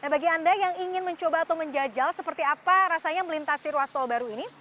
bagi anda yang ingin mencoba atau menjajal seperti apa rasanya melintasi ruas tol baru ini